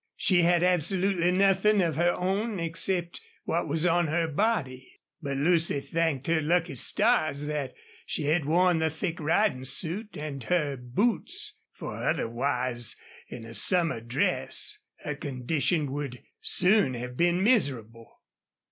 She had absolutely nothing of her own except what was on her body. But Lucy thanked her lucky stars that she had worn the thick riding suit and her boots, for otherwise, in a summer dress, her condition would soon have been miserable.